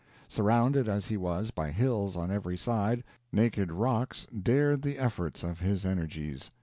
Surrounded as he was by hills on every side, naked rocks dared the efforts of his energies.